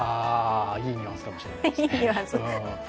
いいニュアンスかもしれないですね。